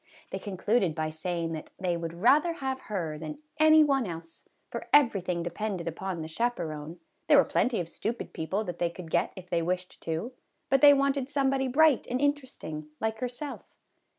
They concluded by say ing that they would rather have her than any one else, for everything depended upon the chaperon ; 148 MRS. HUDSON'S PICNIC. there were plenty of stupid people that they could get if they wished to, but they wanted somebody bright and interesting, like herself.